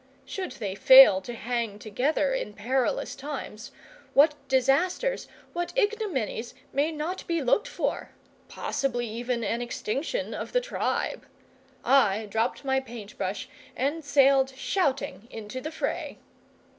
Should they fail to hang together in perilous times, what disasters, what ignominies, may not be looked for? Possibly even an extinction of the tribe. I dropped my paint brush and sailed shouting into the fray.